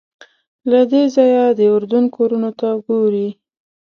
له دې ځایه د اردن کورونو ته ګورې.